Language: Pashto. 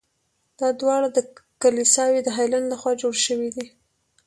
دا دواړه کلیساوې د هیلن له خوا جوړې شوي دي.